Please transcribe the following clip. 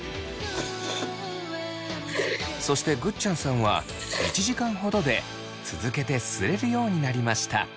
そしてぐっちゃんさんは１時間ほどで続けてすえるようになりました。